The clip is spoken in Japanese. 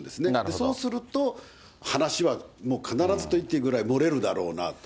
そうすると、話はもう必ずと言っていいぐらい漏れるだろうなと。